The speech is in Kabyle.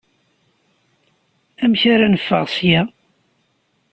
Amek ara neffeɣ seg-a?